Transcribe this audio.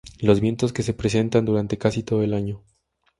Los vientos que se presentan durante casi todo el año.